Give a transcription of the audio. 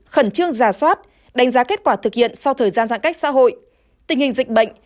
khẩn trương giả soát đánh giá kết quả thực hiện sau thời gian giãn cách xã hội tình hình dịch bệnh